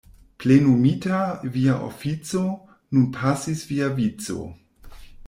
Plenumita via ofico, nun pasis via vico!